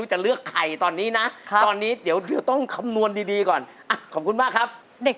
แต่ให้นึกถึงประมาณว่าแม่ก็ได้